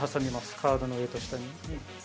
カードの上と下に。